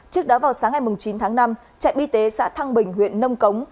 trước đó vào sáng ngày chín tháng năm trạm y tế xã thăng bình huyện nông cống